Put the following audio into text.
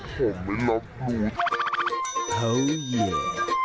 สเปคที่เราชอบแนวไหน